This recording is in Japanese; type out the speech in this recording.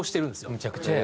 むちゃくちゃや。